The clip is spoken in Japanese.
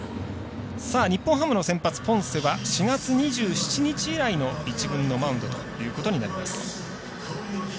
日本ハムの先発、ポンセは４月２７日以来の１軍のマウンドということになります。